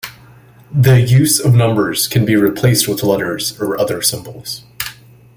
The use of numbers can be replaced with letters or other symbols.